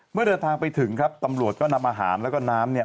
เมื่อเดินทางไปถึงตำรวจก็นำอาหารและน้ำ